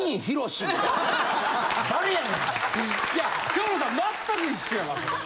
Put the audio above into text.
蝶野さん全く一緒やわそれ。